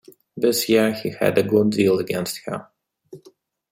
This year he had a good deal against her.